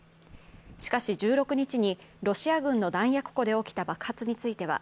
しかし、１６日にロシア軍の弾薬庫で起きた爆発については、